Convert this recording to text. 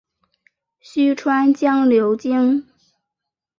虚川江流经。